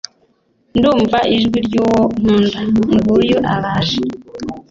ndumva ijwi ry'uwo nkunda! nguyu araje